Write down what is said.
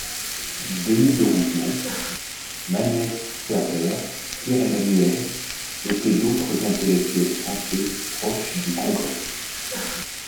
Denis de Rougemont, Manès Sperber, Pierre Emmanuel étaient d'autres intellectuels français proches du Congrès.